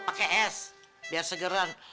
pakai es biar segeran